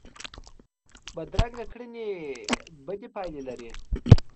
بدرنګه کړنې بدې پایلې لري